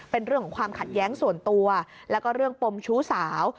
เป็นเรื่องของความขัดแย้งส่วนตัวแล้วก็เรื่องปมชู้สาว